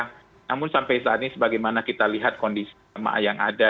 namun sampai saat ini sebagaimana kita lihat kondisi jemaah yang ada